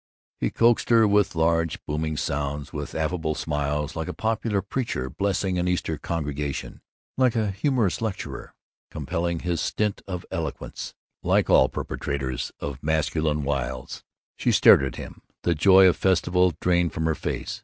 He coaxed her with large booming sounds, with affable smiles, like a popular preacher blessing an Easter congregation, like a humorous lecturer completing his stint of eloquence, like all perpetrators of masculine wiles. She stared at him, the joy of festival drained from her face.